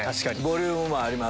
ボリュームもあります。